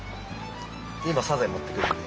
今サザエ持ってくるんで。